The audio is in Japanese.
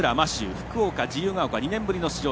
福岡・自由ケ丘、２年ぶりの出場。